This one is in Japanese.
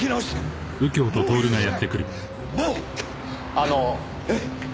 あの。えっ！？